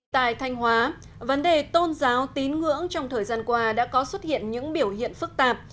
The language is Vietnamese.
tại thanh hóa vấn đề tôn giáo tín ngưỡng trong thời gian qua đã có xuất hiện những biểu hiện phức tạp